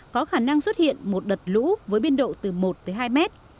có khả năng xuất hiện một đợt lũ với biên độ từ một tới hai mét